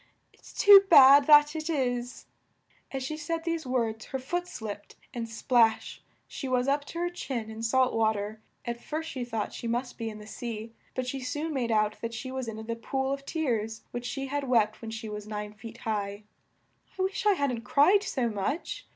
It's too bad, that it is!" As she said these words her foot slipped, and splash! she was up to her chin in salt wa ter. At first she thought she must be in the sea, but she soon made out that she was in the pool of tears which she had wept when she was nine feet high. "I wish I hadn't cried so much!"